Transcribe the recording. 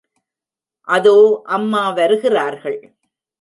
அதோ அம்மா வருகிறார்கள்.